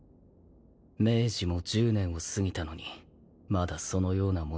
明治も１０年を過ぎたのにまだそのような者がいようとは。